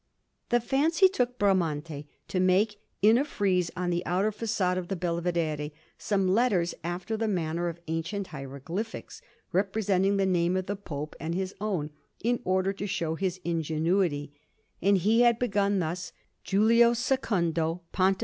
The fancy took Bramante to make, in a frieze on the outer façade of the Belvedere, some letters after the manner of ancient hieroglyphics, representing the name of the Pope and his own, in order to show his ingenuity: and he had begun thus, "Julio II, Pont.